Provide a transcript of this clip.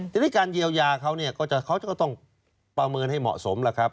ทีนี้การเยียวยาเขาก็ต้องประเมินให้เหมาะสม